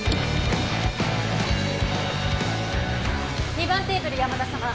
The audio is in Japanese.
２番テーブル山田様